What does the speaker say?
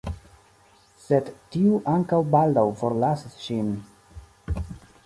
Sed tiu ankaŭ baldaŭ forlasis ŝin.